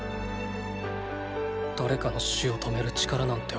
誰かの死を止める力なんて